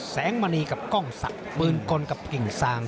มณีกับกล้องศักดิ์ปืนกลกับกิ่งซาง